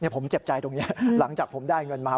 ผมเจ็บใจตรงนี้หลังจากผมได้เงินมา